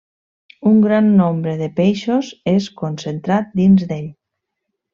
Un gran nombre de peixos és concentrat dins d'ell.